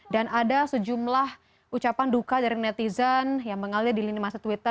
dan ada sejumlah ucapan duka dari netizen yang mengalir di lini masa twitter